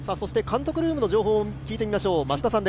監督ルームの情報を聞いてみましょう。